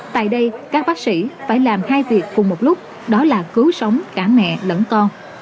tại đây các bác sĩ phải làm hai việc cùng một lúc đó là cứu sống cả mẹ lẫn con